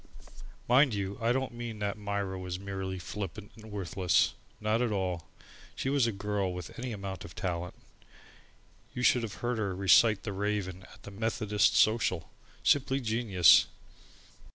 Mind you, I don't mean that Myra was merely flippant and worthless. Not at all. She was a girl with any amount of talent. You should have heard her recite "The Raven," at the Methodist Social! Simply genius!